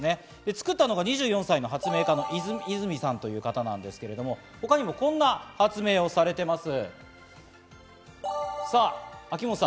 作ったのは２４歳の発明家のゐずみさんという方なんですが、他にもこんな発明をされています。